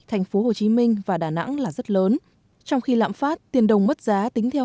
thành phố hồ chí minh và đà nẵng là rất lớn trong khi lãm phát tiền đồng mất giá tính theo